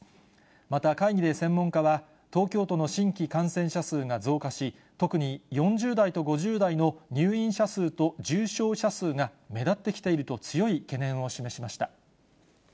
また、会議で専門家は東京都の新規感染者数が増加し、特に４０代と５０代の入院者数と重症者数が目立ってきていると強い懸念を示しました。